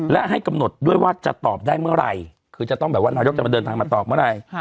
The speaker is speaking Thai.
และให้กำหนดด้วยว่าจะตอบได้เมื่อไหร่คือจะต้องแบบว่านายกจะมาเดินทางมาตอบเมื่อไหร่